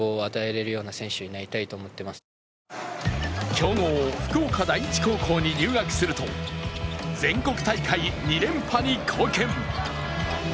強豪・福岡第一高校に入学すると全国大会２連覇に貢献。